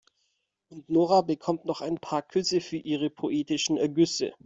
Und Nora bekommt noch ein paar Küsse für ihre poetischen Ergüsse.